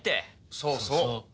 そうそう。